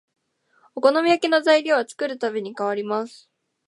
お好み焼きの材料は作るたびに変わります